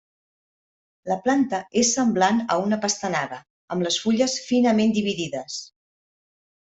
La planta és semblant a una pastanaga, amb les fulles finament dividides.